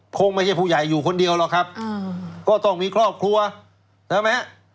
คงไม่ใช่ผู้ใหญ่อยู่คนเดียวหรอกครับก็ต้องมีครอบครัวใช่ไหม